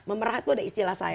memerah itu ada istilah saya